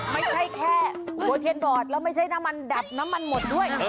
ไม่ใช่แค่โบรกเทนบอตแล้วไม่ใช่น้ำมันหัวดับลงด้วย